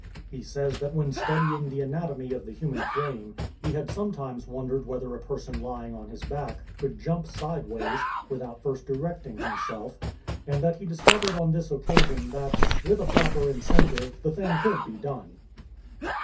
He says that when studying the anatomy of the human frame he had sometimes wondered whether a person lying on his back could jump sideways, without first erect ing himself, and that he discovered on this occasion that, with a proper incentive, the thing could be done.